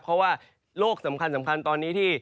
เพราะว่าโลกสำคัญตอนนี้ที่